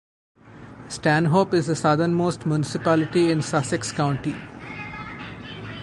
Stanhope is the southernmost municipality in Sussex County.